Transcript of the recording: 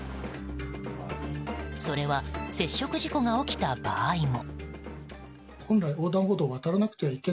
それは、接触事故が起きた場合も。